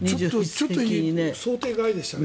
ちょっと想定外でしたね。